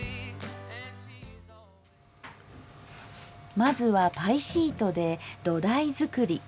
まずはパイシートで土台作り。